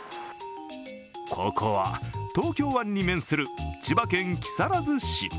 ここは東京湾に面する千葉県木更津市。